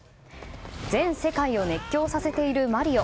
全世界を熱狂させているマリオ。